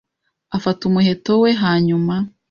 afata umuheto we hanyuma